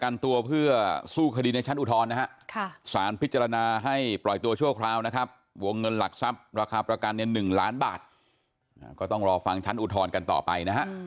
แล้วก็ให้เขารับกรรมไปของเขาคนที่ทำก็ให้เขารับกรรมไป